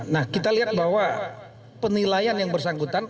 nah kita lihat bahwa penilaian yang bersangkutan